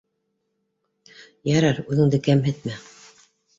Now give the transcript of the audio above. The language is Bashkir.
— Ярар, үҙеңде кәмһетмә